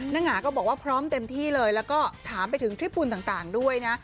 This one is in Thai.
นางหงาก็บอกว่าพร้อมเต็มที่เลยแล้วก็ถามไปถึงคลิปบุญต่างด้วยนะ